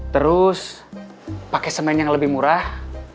terus pakai semen yang lebih murah